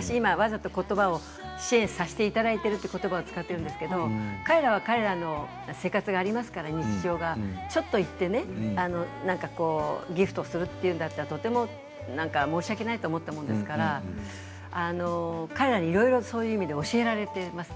だから私、今支援させていただくということばを使っているんですけど彼らは彼らの生活、日常がありますからちょっと行ってギフトするというのならとても申し訳ないと思ったものですから彼らにいろいろ、そういう意味で教えられていますね。